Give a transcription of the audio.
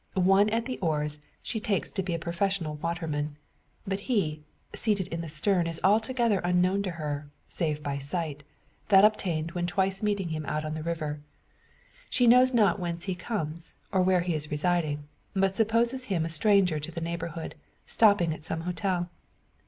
One at the oars she takes to be a professional waterman. But he, seated in the stern is altogether unknown to her, save by sight that obtained when twice meeting him out on the river. She knows not whence he comes, or where he is residing; but supposes him a stranger to the neighbourhood, stopping at some hotel.